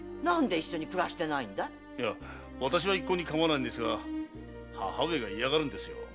いや私は一向にかまわぬのですが母上が嫌がるんですよ。